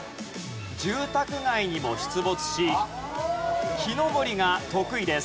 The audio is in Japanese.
住宅街にも出没し木登りが得意です。